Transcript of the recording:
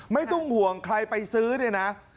ไม่ต้องห่วงใครไปซื้อเนี่ยนะ